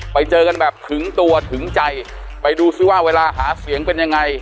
ไปเจอกันแบบถึงตัวถึงใจไปดูซิว่าเวลาหาเสียงเป็นยังไง